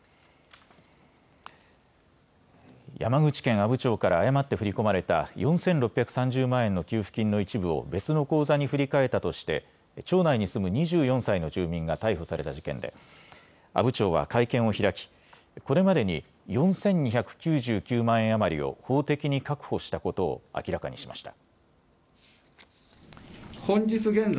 山口県阿武町から誤って振り込まれた４６３０万円の給付金の一部を別の口座に振り替えたとして町内に住む２４歳の住民が逮捕された事件で阿武町は会見を開きこれまでに４２９９万円余りを法的に確保したことを明らかにしました。